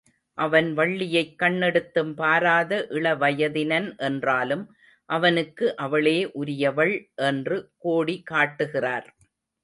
அவன் வள்ளியைக் கண்ணெடுத்தும் பாராத இளவயதினன் என்றாலும் அவனுக்கு அவளே உரியவள் என்று கோடி காட்டுகிறார்.